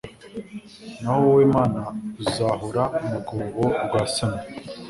Naho wowe Mana uzabaroha mu rwobo rwasamye